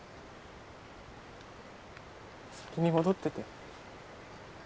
先に戻ってて。